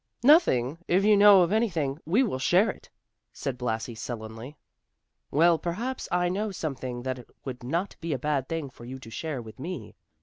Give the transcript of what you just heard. "Nothing; if you know of anything we will share it," said Blasi sullenly. "Well, perhaps I know something that it would not be a bad thing for you to share with me.